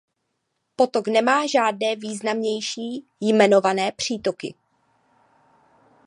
Potok nemá žádné významnější jmenované přítoky.